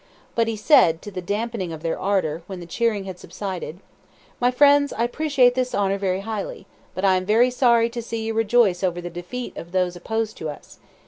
But he said, to the dampening of their ardor, when the cheering had subsided: "My friends, I appreciate this honor very highly, but I am very sorry to see you rejoice over the defeat of those opposed to us.